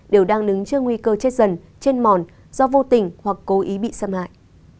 đều đang đứng trước nguy cơ chết dần trên mòn do vô tình hoặc cố ý bị xâm hại